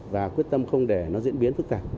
và quyết tâm không để nó diễn biến phức tạp